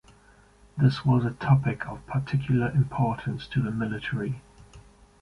This was a topic of particular importance to the military.